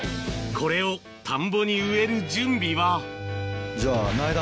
これを田んぼに植える準備はじゃあ。